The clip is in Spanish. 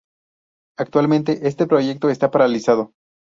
Actualmente este proyecto está paralizado.